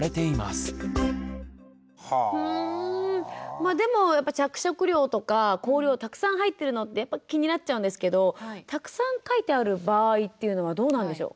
まあでも着色料とか香料たくさん入ってるのってやっぱ気になっちゃうんですけどたくさん書いてある場合っていうのはどうなんでしょう？